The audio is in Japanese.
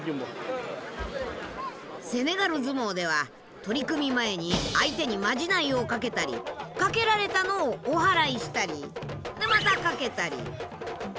セネガル相撲では取組前に相手にまじないをかけたりかけられたのをおはらいしたりでまたかけたりでまたかけられたり。